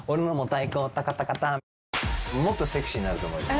もっとセクシーになると思う。